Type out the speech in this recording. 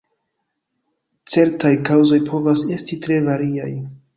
Certaj kaŭzoj povas esti tre variaj.